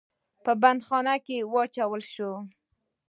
په بندیخانه کې واچول سو.